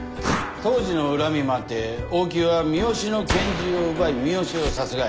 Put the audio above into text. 当時の恨みもあって大木は三好の拳銃を奪い三好を殺害。